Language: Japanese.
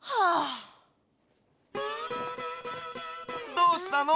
どうしたの？